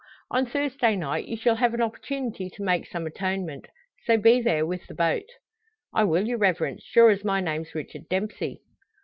On Thursday night you shall have an opportunity to make some atonement. So, be there with the boat!" "I will, your Reverence; sure as my name's Richard Dempsey."